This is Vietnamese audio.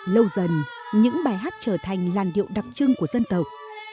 lâu dần những bài hát trở thành làn điệu đặc trưng của dân tộc